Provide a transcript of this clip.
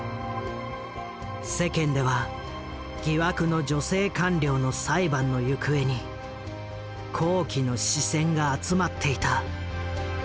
世間では疑惑の女性官僚の裁判の行方に好奇の視線が集まっていた。